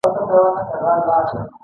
د اقبال حسین افګار پوسټ ته ځواب و.